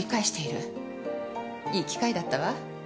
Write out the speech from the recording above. いい機会だったわ。